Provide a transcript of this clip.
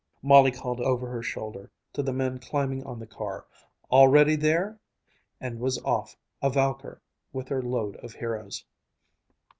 Molly called over her shoulder to the men climbing on the car, "All ready there?" and was off, a Valkyr with her load of heroes.